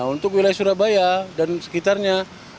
untuk wilayah surabaya dan sekitarnya